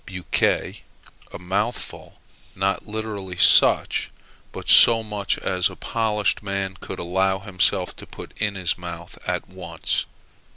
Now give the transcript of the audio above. buccea, a mouthful; not literally such, but so much as a polished man could allow himself to put into his mouth at once.